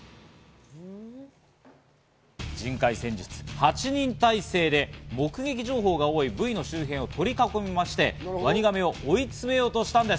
８人態勢で目撃情報が多いブイの周辺を取り囲みまして、ワニガメを追い詰めようとしたんです。